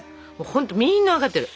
ほんとみんな分かってる。